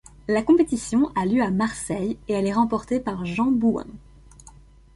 La compétition a lieu à Marseille et elle est remportée par Jean Bouin.